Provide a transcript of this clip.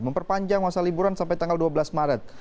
memperpanjang masa liburan sampai tanggal dua belas maret